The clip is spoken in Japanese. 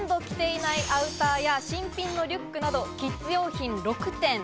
ほとんど着ていないアウターや新品のリュックなど、キッズ用品６点。